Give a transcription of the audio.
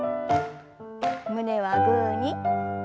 胸はグーに。